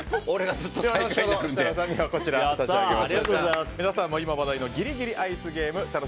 優勝した設楽さんにはこちら差し上げます。